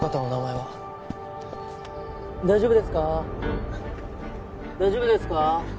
はっ大丈夫ですか？